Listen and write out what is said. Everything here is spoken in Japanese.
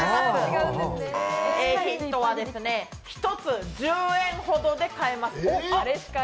ヒントは１つ１０円ほどで買えます。